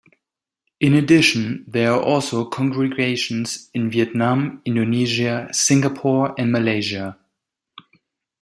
In addition, there are also congregations in Vietnam, Indonesia, Singapore, and Malaysia.